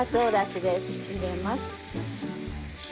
入れます。